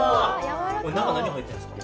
これ中何入ってるんですか？